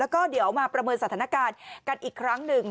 แล้วก็เดี๋ยวมาประเมินสถานการณ์กันอีกครั้งหนึ่ง